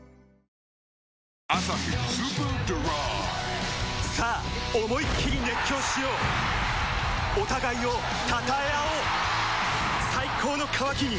「アサヒスーパードライ」さあ思いっきり熱狂しようお互いを称え合おう最高の渇きにＤＲＹ